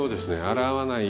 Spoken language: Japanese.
洗わない。